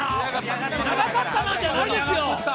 長かったな、じゃないですよ。